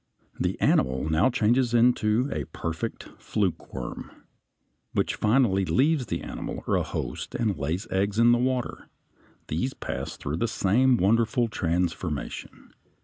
The animal now changes into a perfect flukeworm (F), which finally leaves the animal or host and lays eggs in the water; these pass through the same wonderful transformation.